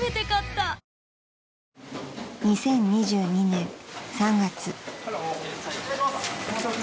［２０２２年３月］